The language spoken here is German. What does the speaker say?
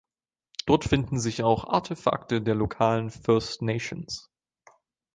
Dort finden sich auch Artefakte der lokalen First Nations.